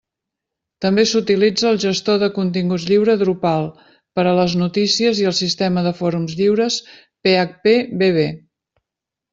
També s'utilitza el gestor de continguts lliure Drupal per a les notícies i el sistema de fòrums lliure phpBB.